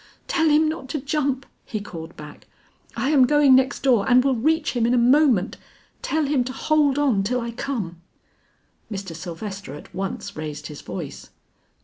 "Tell him not to jump," he called back. "I am going next door and will reach him in a moment. Tell him to hold on till I come." Mr. Sylvester at once raised his voice.